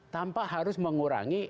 tanpa harus mengurangi